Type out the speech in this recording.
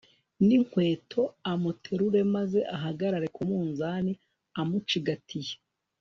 n'inkweto, amuterure maze ahagarare ku munzani amucigatiye